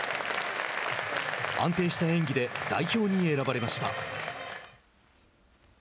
安定した演技で代表に選ばれました。